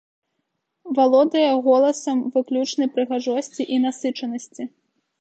Валодае голасам выключнай прыгажосці і насычанасці.